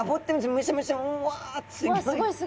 むしゃむしゃうわすギョい。